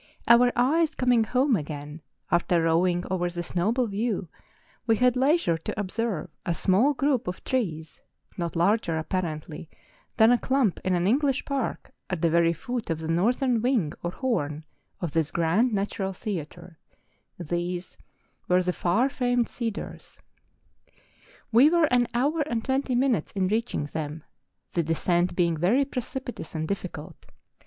Our eyes coming home again, after roving over this noble view, we had leisure to observe a small group of trees, not larger, apparently, than a clump in an English park at the very foot of the northern wing or horn of this grand natural theatre:—these were the far famed cedars. We were an hour and twenty minutes in reaching them, the descent being very precipitous and difficult.